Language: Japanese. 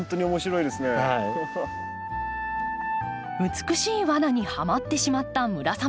美しい罠にハマってしまった村雨さん